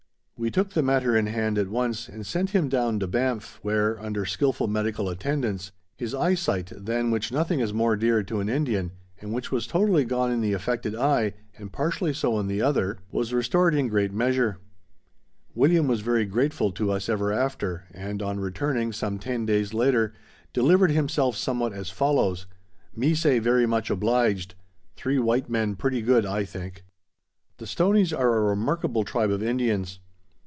We took the matter in hand at once and sent him down to Banff, where, under skilful medical attendance, his eyesight, than which nothing is more dear to an Indian and which was totally gone in the affected eye and partially so in the other, was restored in a great measure. William was very grateful to us ever after, and on returning, some ten days later, delivered himself somewhat as follows: "Me say very much obliged. Three white men pretty good, I think." The Stoneys are a remarkable tribe of Indians.